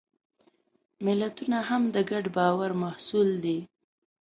ملتونه هم د ګډ باور محصول دي.